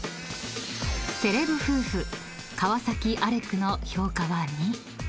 ［セレブ夫婦川崎・アレクの評価は２］